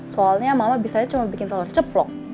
soalnya mama bisanya cuma bikin telur ceplong